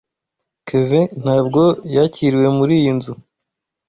Kevin ntabwo yakiriwe muriyi nzu.